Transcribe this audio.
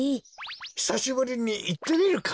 ひさしぶりにいってみるか？